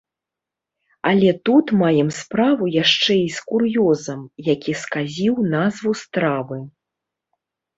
Але тут маем справу яшчэ і з кур'ёзам, які сказіў назву стравы.